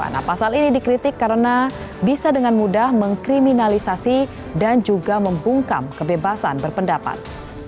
nah pasal ini dikritik karena bisa dengan mudah mengkriminalisasi dan juga membungkam kebebasan berpendapat